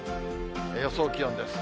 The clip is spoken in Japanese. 予想気温です。